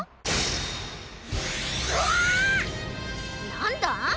なんだ？